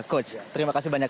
coach terima kasih banyak